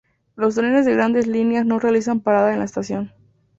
Los trenes de grandes líneas no realizan parada en la estación.